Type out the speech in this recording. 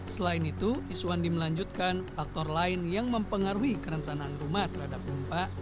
selain itu iswandi melanjutkan faktor lain yang mempengaruhi kerentanan rumah terhadap gempa